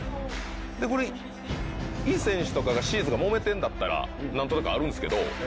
これイ選手とかシーツがもめてんだったら何となくあるんですけど。